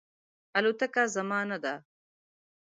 الوتکه زما نه ده